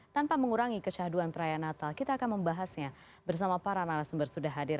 tanpa mengurangi kesyaduan perayaan natal kita akan membahasnya bersama para narasumber sudah hadir